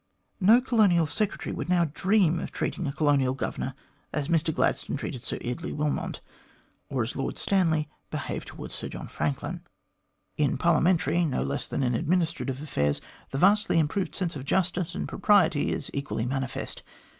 No Colonial Secretary would now dream of treating a Colonial Governor as Mr Gladstone treated Sir Eardley Wilmot, or as Lord Stanley behaved towards Sir John Frank A GRIEVOUS ERROR OF MR GLADSTONE'S 173 lin. In Parliamentary, no less than in administrative affairs, the vastly improved sense of justice and propriety is equally manifest.